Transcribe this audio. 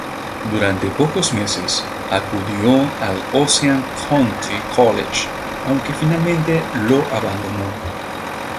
Durante pocos meses, acudió al Ocean County College, aunque finalmente lo abandonó.